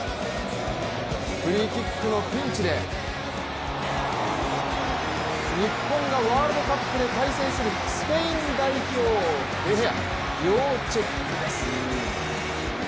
フリーキックのピンチで日本がワールドカップで対戦するスペイン代表デ・ヘア、要チェックです。